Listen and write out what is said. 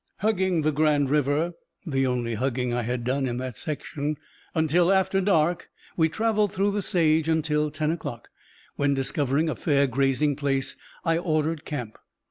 Hugging the Grand River (the only hugging I had done in that section) until after dark, we trailed through the sage until ten o'clock, when, discovering a fair grazing place, I ordered camp.